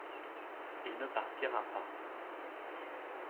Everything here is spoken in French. Il ne partira pas !